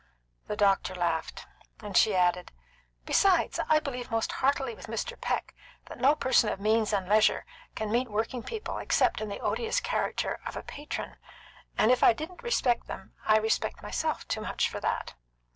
The doctor laughed, and she added: "Besides, I believe most heartily with Mr. Peck that no person of means and leisure can meet working people except in the odious character of a patron, and if I didn't respect them, I respect myself too much for that.